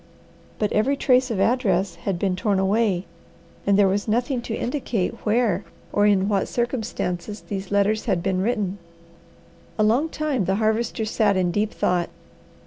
But every trace of address had been torn away, and there was nothing to indicate where or in what circumstances these letters had been written. A long time the Harvester sat in deep thought.